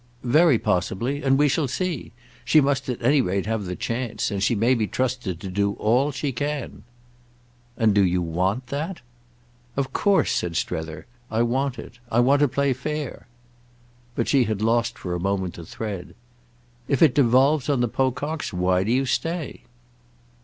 "Very possibly—and we shall see. She must at any rate have the chance, and she may be trusted to do all she can." "And do you want that?" "Of course," said Strether, "I want it. I want to play fair." But she had lost for a moment the thread. "If it devolves on the Pococks why do you stay?"